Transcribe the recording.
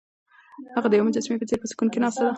هغه د یوې مجسمې په څېر په سکون کې ناسته ده.